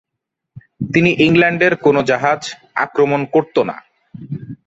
তিনি ইংল্যান্ডের কোন জাহাজ আক্রমণ করত না।